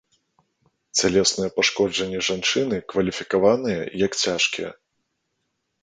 Цялесныя пашкоджанні жанчыны кваліфікаваныя як цяжкія.